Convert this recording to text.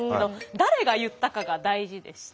誰が言ったかが大事でして。